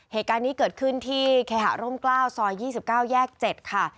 เหตุการณ์นี้เกิดขึ้นที่เคหาร่มกล้าวซอย๒๙แยก๗ค่ะ